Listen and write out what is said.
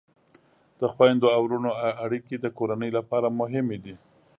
د خویندو او ورونو اړیکې د کورنۍ لپاره مهمې دي.